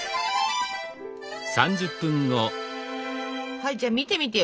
はいじゃあ見てみてよ。